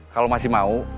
kala masih mau